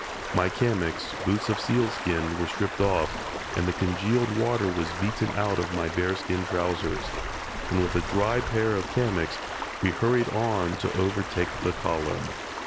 My kamiks (boots of sealskin) were stripped off, and the congealed water was beaten out of my bearskin trousers, and with a dry pair of kamiks, we hurried on to overtake the column.